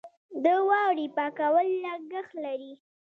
د واورې پاکول لګښت لري.